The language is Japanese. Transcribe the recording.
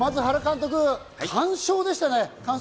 まず原監督、完勝でしたね！